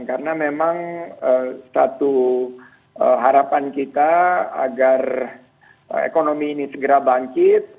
karena memang satu harapan kita agar ekonomi ini segera bangkit